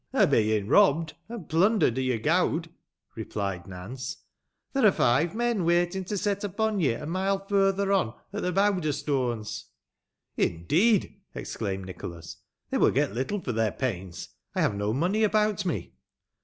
" O' bein' robbed, and plundered o' your gowd,'* replied Nanoe ;" there are five men waitin' to set upon ye a mile f urther on, at the Bowder Stoana." " Indeed !" exclaimed Nicholas ;" they will get little for their pains. I haye no money about me.''